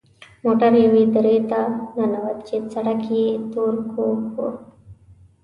موټر یوې درې ته ننوت چې سړک یې تور کوږ وږ و.